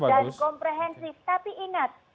dan komprehensif tapi ingat